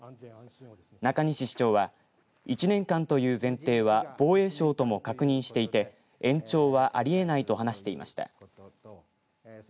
中西市長は１年間という前提は防衛省とも確認していて延長はありえないと話していました。